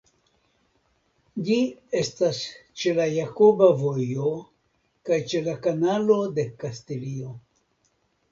Ĝi estas ĉe la Jakoba Vojo kaj ĉe la Kanalo de Kastilio.